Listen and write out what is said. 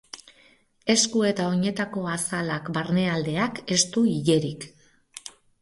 Esku eta oinetako azalak barnealdeak ez du ilerik.